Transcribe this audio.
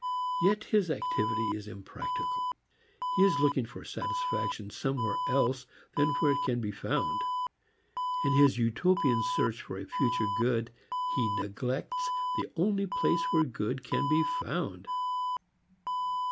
Yet his activity is impractical. He is looking for satisfaction somewhere else than where it can be found. In his utopian search for a future good he neglects the only place where good can be found.